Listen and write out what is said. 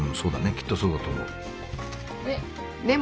きっとそうだと思う。